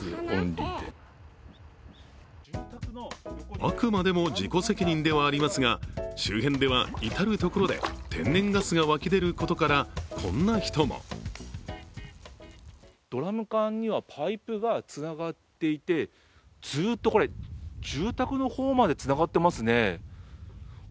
あくまでも自己責任ではありますが、周辺では至る所で天然ガスが湧き出ることからこんな人もドラム缶にはパイプがつながっていて、ずーっと、住宅の方までつながっていますね。